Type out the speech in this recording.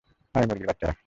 আয়, মুরগির বাচ্চারা!